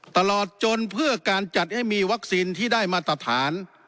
ตลอดจนเพื่อการจัดให้มีวัคซีนที่ได้มาตรฐาน